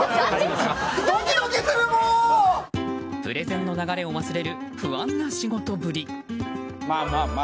プレゼンの流れを忘れる不安な仕事ぶり。